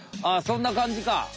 あそんなかんじか！